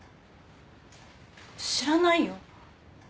知らないよ。